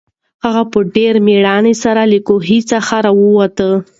هغه په ډېرې مېړانې سره له کوهي څخه راووت.